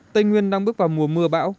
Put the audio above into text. tây nguyên đang bước vào mùa mưa bão